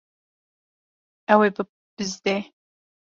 Ew ê bibizde.